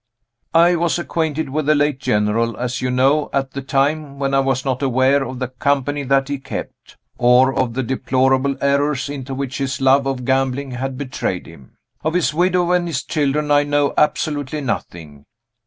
"I was acquainted with the late General as you know at a time when I was not aware of the company that he kept, or of the deplorable errors into which his love of gambling had betrayed him. Of his widow and his children I know absolutely nothing.